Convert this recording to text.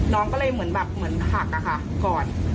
น้องก็เลยเหมือนแบบเหมือนหักนะคะก่อน